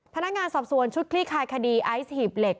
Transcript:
พนักงานสอบสวนชุดคลี่คลายคดีไอซ์หีบเหล็ก